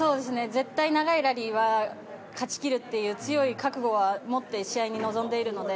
絶対長いラリーは勝ち切るという強い覚悟は持って試合に臨んでいるので